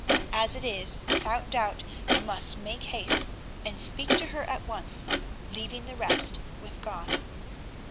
As it is, without doubt you must make haste and speak to her at once, leaving the rest with God."